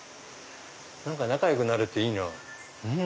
何か仲良くなれていいな。